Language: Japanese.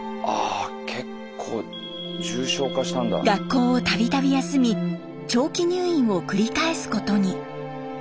学校をたびたび休み長期入院を繰り返すことに。